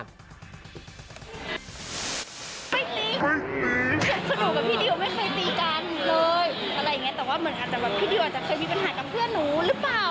สนุกกับพี่ดิวไม่เคยตีกันเลยแต่ว่าพี่ดิวอาจจะเคยมีปัญหากับเพื่อนหนูหรือเปล่า